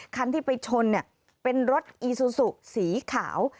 คันที่ไปชนเป็นรถอีซูซูสีขาว